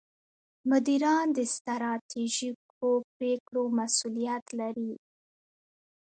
مدیران د ستراتیژیکو پرېکړو مسوولیت لري.